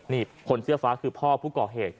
นี่คนเสื้อฟ้าคือพ่อผู้ก่อเหตุ